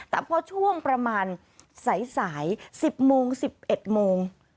แต่พอช่วงประมาณสาย๑๐โมง๑๑โมง